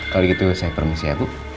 kalau gitu saya permisi ya bu